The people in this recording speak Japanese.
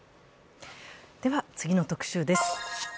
では、次の特集です。